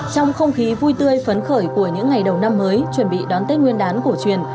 trong không khí vui tươi phấn khởi của những ngày đầu năm mới chuẩn bị đón tết nguyên đán cổ truyền